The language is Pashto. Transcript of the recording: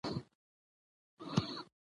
کار کول انسان ته هم عزت ورکوي او هم تجربه